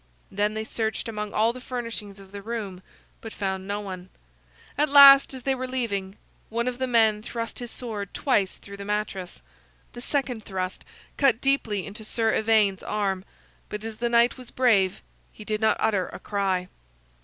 Then they searched among all the furnishings of the room, but found no one. At last, as they were leaving, one of the men thrust his sword twice through the mattress. The second thrust cut deeply into Sir Ivaine's arm; but as the knight was brave, he did not utter a cry.